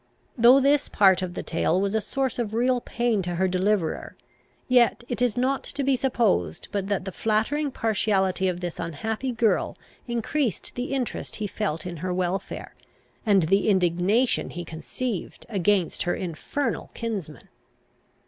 Though this part of the tale was a source of real pain to her deliverer, yet it is not to be supposed but that the flattering partiality of this unhappy girl increased the interest he felt in her welfare, and the indignation he conceived against her infernal kinsman.